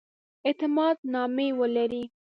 اعتماد نامې ولري.